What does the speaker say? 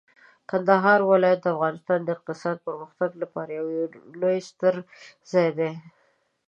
کندهار ولایت د افغانستان د اقتصادي پرمختګ لپاره یو ستر ځای دی.